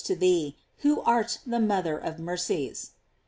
89 to thee, who art the mother of mercies.